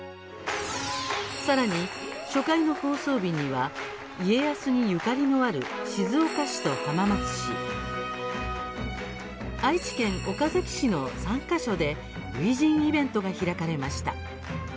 さらに、初回の放送日には家康にゆかりのある静岡市と浜松市愛知県岡崎市の３か所で初陣イベントが開かれました。